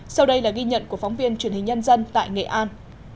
sau đây là ghi nhận của phóng viên truyền hình nhân dân tại nghệ an